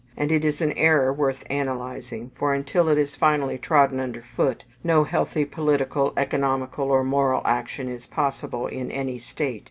And it is an error worth analyzing; for until it is finally trodden under foot, no healthy political, economical, or moral action is possible in any state.